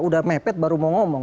udah mepet baru mau ngomong